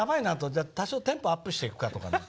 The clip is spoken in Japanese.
じゃあ多少テンポアップしていくかとかね。